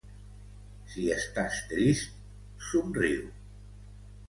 Si estàs trist, somriu.